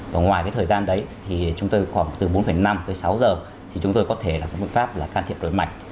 và ngoài thời gian đấy thì chúng tôi khoảng từ bốn năm tới sáu giờ thì chúng tôi có thể là có biện pháp là can thiệp đổi mạch